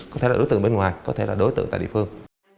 có thể là đối tượng bên ngoài có thể là đối tượng tại địa phương